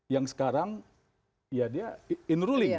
yang sekarang ya dia enrolling